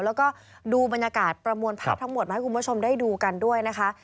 แล้วก็ดูบรรยากาศประมวลภาพทั้งหมดมาให้คุณผู้ชมได้ดูกันด้วยนะคะ